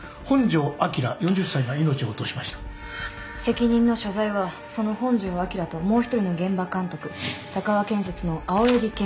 責任の所在はその本庄昭ともう一人の現場監督鷹和建設の青柳健作３５歳。